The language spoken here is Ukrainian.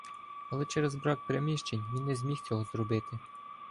Але через брак приміщень він не зміг цього зробити.